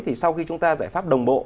thì sau khi chúng ta giải pháp đồng bộ